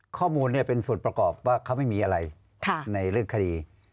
ข้อมูลเป็นส่วนประกอบว่าเขาไม่มีอะไรในเรื่องคดี